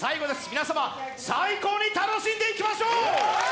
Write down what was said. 皆様最高に楽しんでいきましょう。